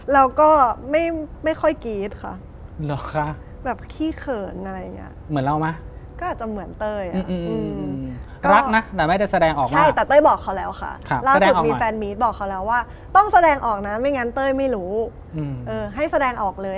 แล้วก็ไม่ไม่ค่อยกรี๊ดค่ะหรอค่ะแบบขี้เขินอะไรอย่างเงี้ย